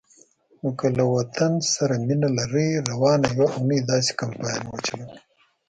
نو که له وطن سره مینه لرئ، روانه یوه اونۍ داسی کمپاین وچلوئ